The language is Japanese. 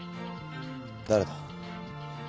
誰だ？